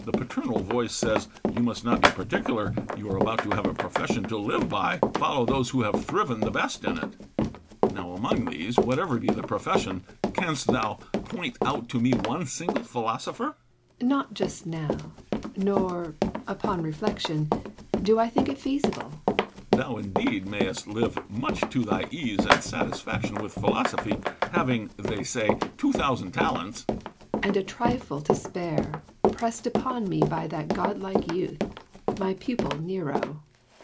The paternal voice says, " You must not be particular ; you are about to have a profession to live by ; follow those who have thriven the best in it." Now, among these, whatever be the profession, canst thou point out to me one single philosopher? Senpxa. Not just now ; nor, upon reflection, do I think it feasible. Epictettbs. Thou, indeed, mayest live much to thy ease and satisfaction with philosophy, having (they say) two thousand talents.